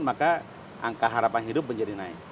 maka angka harapan hidup menjadi naik